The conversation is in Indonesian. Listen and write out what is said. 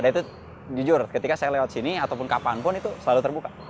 dan itu jujur ketika saya lewat sini ataupun kapanpun itu selalu terbuka